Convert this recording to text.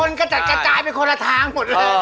๓คนก็จัดกระจายเป็นคนละทางหมดแล้ว